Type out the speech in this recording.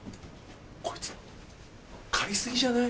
こいつ。